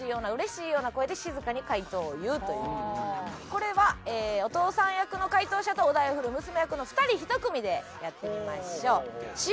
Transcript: これはお父さん役の回答者とお題を振る娘役の二人一組でやってみましょう。